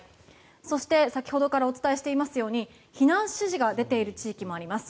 そして、先ほどからお伝えしていますように避難指示が出ている地域もあります。